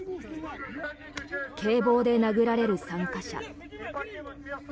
警棒で殴られる参加者。